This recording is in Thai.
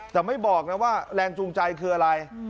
แต่ไม่บอกนะว่าแรงจูงใจคืออะไร